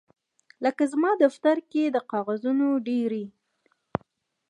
لکه زما په دفتر کې د کاغذونو ډیرۍ